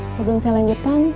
sebelum saya lanjutkan